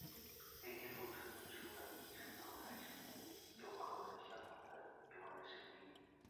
被列入这本书中的名山后来成为游客们向往的游览胜地。